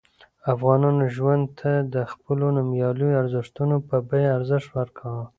افغانانو ژوند ته د خپلو نوميالیو ارزښتونو په بیه ارزښت ورکاوه.